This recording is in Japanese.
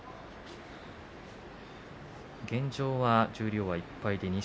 現状は十両は１敗が錦